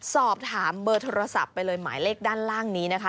สอบถามเบอร์โทรศัพท์ไปเลยหมายเลขด้านล่างนี้นะคะ